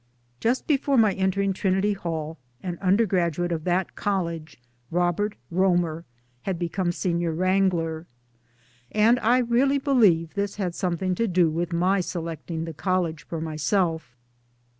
Just before my entering Trinity Hall, an under graduate of that College, Robert Romer, had become Senior [Wrangler and I really believe this had some thing to do with my selecting the College for myself.